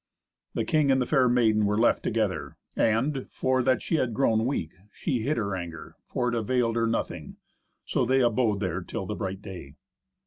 The king and the fair maiden were left together, and, for that she was grown weak, she hid her anger, for it availed her nothing. So they abode there till the bright day.